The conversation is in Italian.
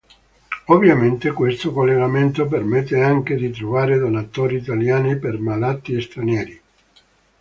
Ovviamente questo collegamento permette anche di trovare donatori italiani per malati stranieri.